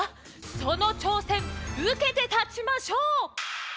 そのちょうせんうけてたちましょう！